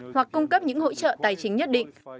hoặc cung cấp những hỗ trợ tài chính nhất định